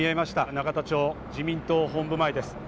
永田町、自民党本部前です。